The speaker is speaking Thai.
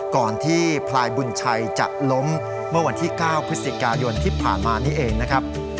ก่อนที่พลายบุญชัยจะล้มเมื่อวันที่๙พฤศจิกายนที่ผ่านมานี่เองนะครับ